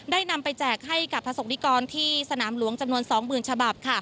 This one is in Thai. นำไปแจกให้กับประสบนิกรที่สนามหลวงจำนวน๒๐๐๐ฉบับ